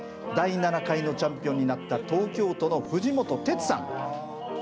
第７回のチャンピオンになった東京都の藤本徹さん。